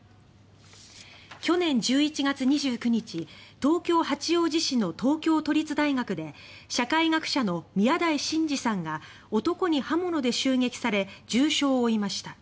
去年１１月２９日東京・八王子市の東京都立大学で社会学者の宮台真司さんが男に刃物で襲撃され重傷を負いました。